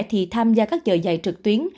thì tham gia các giờ dạy trực tuyến